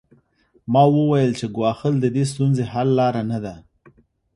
ما وویل چې ګواښل د دې ستونزې حل لاره نه ده